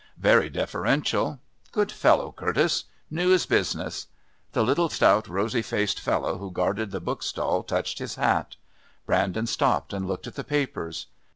Very deferential. Good fellow, Curtis. Knew his business. The little, stout, rosy faced fellow who guarded the book stall touched his hat. Brandon stopped and looked at the papers.